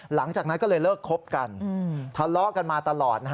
หลังจากนั้นก็เลยเลิกคบกันทะเลาะกันมาตลอด